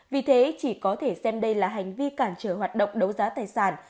vì thế chỉ có thể xem đây là hành vi cản trở hoạt động đấu giá tài sản